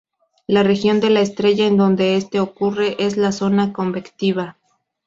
La región de la estrella en donde esto ocurre es la zona convectiva.